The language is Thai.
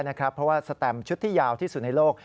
เพราะว่าสแตมชุดที่ยาวที่สุดในโลก